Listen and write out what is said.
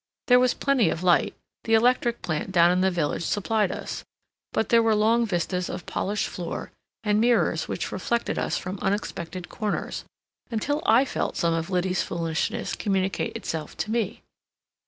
There was plenty of light—the electric plant down in the village supplied us—but there were long vistas of polished floor, and mirrors which reflected us from unexpected corners, until I felt some of Liddy's foolishness communicate itself to me.